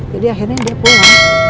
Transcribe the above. jadi akhirnya dia pulang